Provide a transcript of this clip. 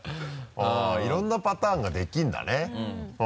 いろんなパターンができるんだね